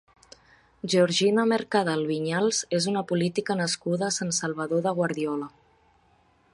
Georgina Mercadal Viñals és una política nascuda a Sant Salvador de Guardiola.